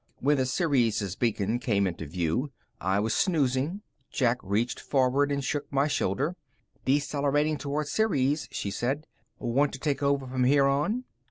When the Ceres beacon came into view, I was snoozing. Jack reached forward and shook my shoulder. "Decelerating toward Ceres," she said. "Want to take over from here on?"